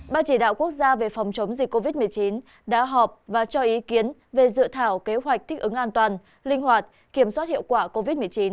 ban chỉ đạo quốc gia về phòng chống dịch covid một mươi chín đã họp và cho ý kiến về dự thảo kế hoạch thích ứng an toàn linh hoạt kiểm soát hiệu quả covid một mươi chín